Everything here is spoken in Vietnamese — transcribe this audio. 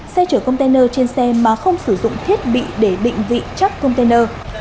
xe chở container trên xe mà không sử dụng thiết bị để định vị chắc container